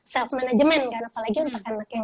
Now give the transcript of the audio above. self management kan apalagi untuk anak yang